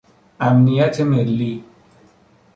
امنیت ملی